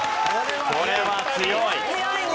これは強い。